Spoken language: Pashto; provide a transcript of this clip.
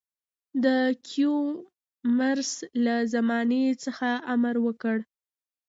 د کیومرث له زمانې څخه امر وکړ.